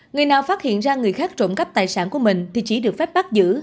người nào phát hiện ra người khác trộm cắp tài sản của mình thì chỉ được phép bắt giữ